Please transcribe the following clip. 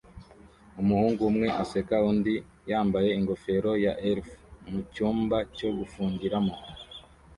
Umuhungu umwe aseka undi yambaye ingofero ya elf mucyumba cyo gufungiramo